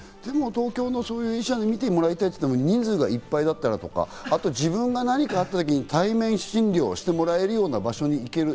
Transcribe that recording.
東京の医者に診てもらいたいって言っても、人数がいっぱいだったり、自分が何かあったとき対面診療してもらえるような場所に行ける。